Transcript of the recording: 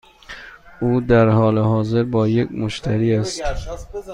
او در حال حاضر با یک مشتری است.